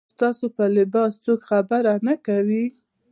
ستاسو پر لباس څوک خبره نه کوي.